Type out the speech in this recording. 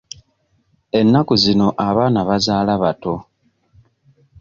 Ennaku zino abaana bazaala bato.